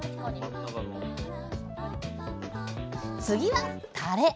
次はたれ。